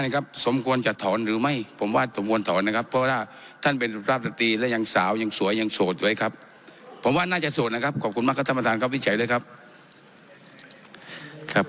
ก็ได้ยินบ่อยนะครับไม่เป็นไรครับ